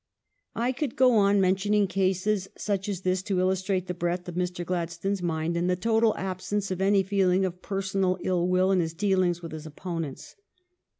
I could go on mentioning cases such as this to illustrate the breadth of Mr. Gladstone's mind and the total absence of any feeling of personal ill will in his dealings with his opponents.